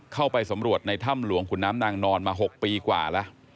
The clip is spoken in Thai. เข้าไปสำรวจในถ้ำหลวงขุนน้ำนางนอนมา๖ปีกว่าแล้ว